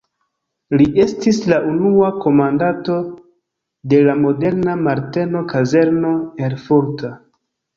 Li estis la unua komandanto de la moderna Marteno-kazerno erfurta.